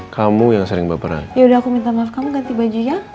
kamu yang sering bapak yaudah aku minta maaf kamu ganti baju ya